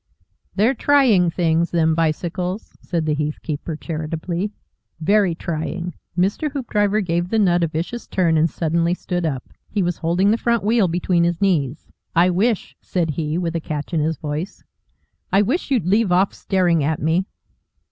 "They're trying things, them bicycles," said the heath keeper, charitably. "Very trying." Mr. Hoopdriver gave the nut a vicious turn and suddenly stood up he was holding the front wheel between his knees. "I wish," said he, with a catch in his voice, "I wish you'd leave off staring at me."